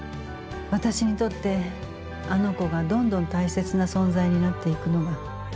私にとってあの子がどんどん大切な存在になっていくのが。